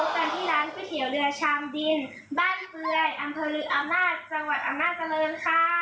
แล้วพบกันที่ร้านก๋วยเถี๋ยวเรือชามดินบ้านเฟื่อยอำนาจเจริญค่ะ